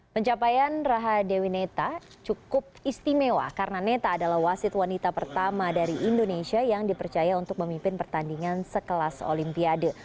pencapaian raha dewi neta cukup istimewa karena neta adalah wasit wanita pertama dari indonesia yang dipercaya untuk memimpin pertandingan sekelas olimpiade